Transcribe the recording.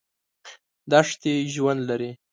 دښتې ژوند لري.